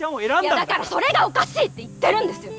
だからそれがおかしいって言ってるんです！